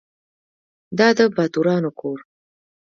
دا د باتورانو کور .